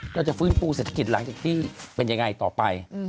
จะฟื้นฟูเศรษฐกิจหลังจากที่เป็นยังไงต่อไป